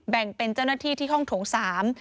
แบ่งเป็นเจ้าหน้าที่ที่ห้องโถงสาม